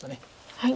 はい。